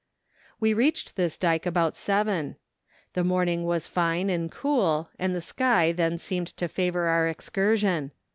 We reached this dyke about seven. The morning was fine and cool, and the sky then seemed to favour our excursion.